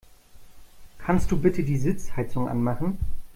Kannst du bitte die Sitzheizung anmachen?